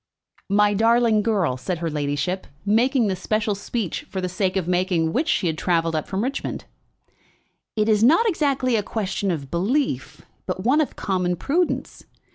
"My darling girl," said her ladyship, making the special speech for the sake of making which she had travelled up from Richmond, "it is not exactly a question of belief, but one of common prudence.